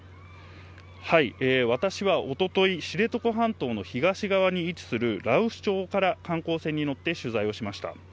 私はおととい、知床半島の東側に位置する羅臼町から観光船に乗って取材をしました。